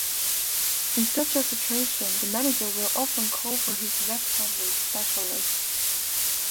In such a situation, the manager will often call for his left-handed specialist.